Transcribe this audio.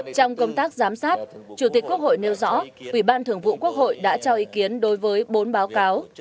trong công tác giám sát chủ tịch quốc hội nêu rõ ủy ban thường vụ quốc hội đã cho ý kiến đối với bốn báo cáo